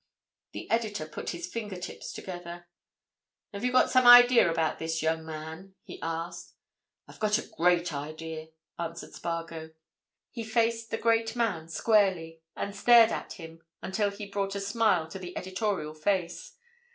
The editor put his finger tips together. "Have you got some idea about this, young man?" he asked. "I've got a great idea," answered Spargo. He faced the great man squarely, and stared at him until he had brought a smile to the editorial face.